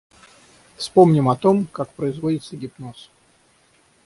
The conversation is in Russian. Вспомним о том, как производится гипноз.